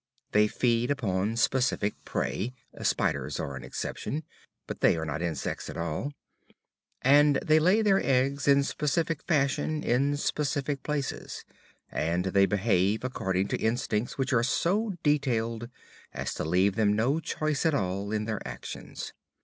They feed upon specific prey spiders are an exception, but they are not insects at all and they lay their eggs in specific fashion in specific places, and they behave according to instincts which are so detailed as to leave them no choice at all in their actions.